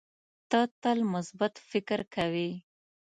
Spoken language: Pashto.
ته تل مثبت فکر کوې.